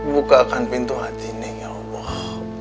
bukakan pintu hati neng ya allah